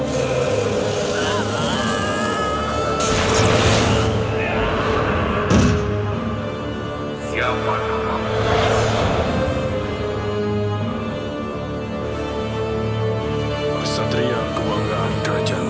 betapa seramnya dosa kedua yang kau lakukan